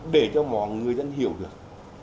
để cho mọi người dân hiểu được